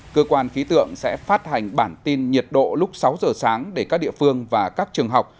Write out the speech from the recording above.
cơ quan khí tượng sẽ phát hành bản tin nhiệt độ lúc sáu giờ sáng để các địa phương và các trường học